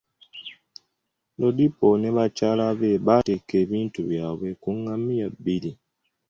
Lodipo ne bakyala be, baatikka ebintu byabwe ku ngamiya bbiri.